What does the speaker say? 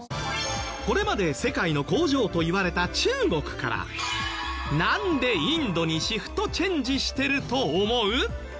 これまで世界の工場といわれた中国からなんでインドにシフトチェンジしてると思う？